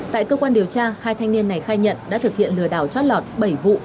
tại cơ quan điều tra hai thanh niên này khai nhận đã thực hiện lừa đảo chót lọt bảy vụ